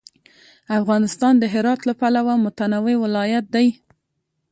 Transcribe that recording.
افغانستان د هرات له پلوه متنوع ولایت دی.